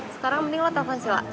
sekarang mending lo telepon sila